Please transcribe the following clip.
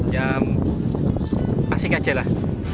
ya asik aja lah